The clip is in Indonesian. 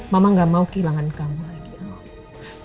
mama gak mau kehilangan kamu lagi